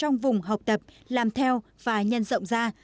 trong vùng học tập làm theo và nhân rộng ra